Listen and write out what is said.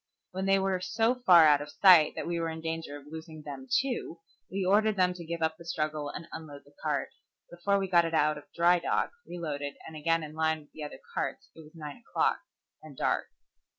When they were so far out of sight that we were in danger of losing them too, we ordered them to give up the struggle and unload the cart. Before we got it out of dry dock, reloaded, and again in line with the other carts it was nine o'clock, and dark.